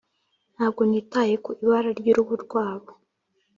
ntabwo nitaye ku ibara ryuruhu rwabo